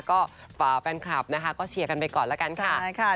ก็แฟนคลับนะคะก็เชียร์กันไปก่อนละกันค่ะ